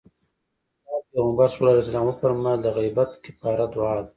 د اسلام پيغمبر ص وفرمايل د غيبت کفاره دعا ده.